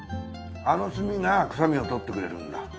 あの炭が臭みを取ってくれるんだ。